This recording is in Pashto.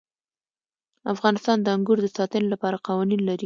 افغانستان د انګور د ساتنې لپاره قوانین لري.